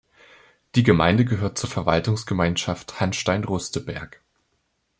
Die Gemeinde gehört zur Verwaltungsgemeinschaft Hanstein-Rusteberg.